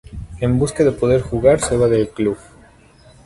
En busca de poder jugar se va del club.